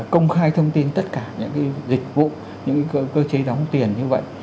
công khai thông tin tất cả những cái dịch vụ những cái cơ chế đóng tiền như vậy